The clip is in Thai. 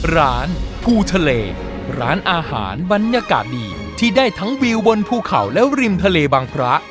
ร้านภูทะเลร้านอาหารบรรยากาศดีที่ได้ทั้งวิวบนภูเขาและริมทะเลบางพระ